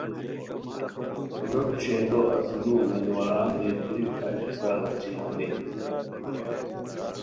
لُوٹ شہرو اسیرو امیدواران دی بیریک اژیکا غیچی ہانی